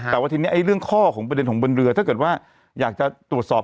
แต่ว่าทีนี้เรื่องข้อของประเด็นของบนเรือถ้าเกิดว่าอยากจะตรวจสอบ